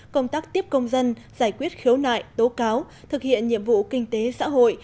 công tác tiếp công dân giải quyết khiếu nại tố cáo thực hiện nhiệm vụ kinh tế xã hội